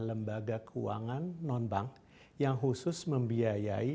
lembaga keuangan non bank yang khusus membiayai